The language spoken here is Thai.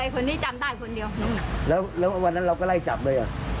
คนนี้จำได้คนเดียวน้องน่ะแล้วแล้ววันนั้นเราก็ไล่จับเลยอ่ะ